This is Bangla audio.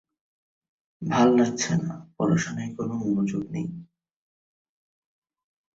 সিরিজের তৃতীয় টেস্টে তার অভিষেক পর্ব সম্পন্ন হলেও দুই দিন বৃষ্টির কবলে পড়ে।